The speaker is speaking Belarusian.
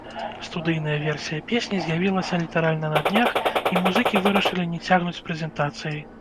Студыйная версія песні з'явілася літаральна на днях, і музыкі вырашылі не цягнуць з прэзентацыяй.